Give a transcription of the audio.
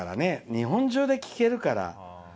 日本中で聴けるから。